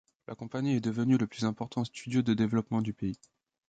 La compagnie est devenue le plus important studio de développement du pays.